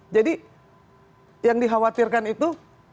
jadi yang dikhawatirkan itu